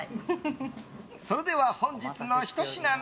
それでは、本日のひと品目。